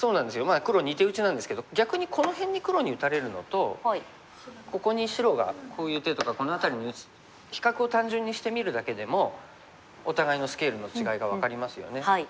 まあ黒２手打ちなんですけど逆にこの辺に黒に打たれるのとここに白がこういう手とかこの辺りに打つ比較を単純にしてみるだけでもお互いのスケールの違いが分かりますよね。